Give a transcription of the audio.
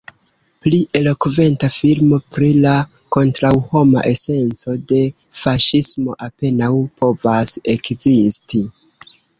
Pli elokventa filmo pri la kontraŭhoma esenco de faŝismo apenaŭ povas ekzisti.